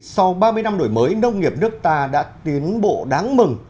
sau ba mươi năm đổi mới nông nghiệp nước ta đã tiến bộ đáng mừng